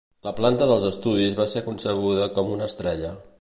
La planta dels estudis va ser concebuda com una estrella.